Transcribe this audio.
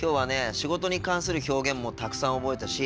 仕事に関する表現もたくさん覚えたし